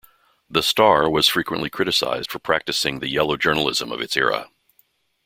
The "Star" was frequently criticized for practising the yellow journalism of its era.